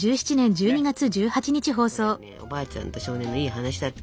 これねおばあちゃんと少年のいい話だった。